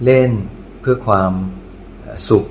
แล้ววันนี้ผมมีสิ่งหนึ่งนะครับเป็นตัวแทนกำลังใจจากผมเล็กน้อยครับ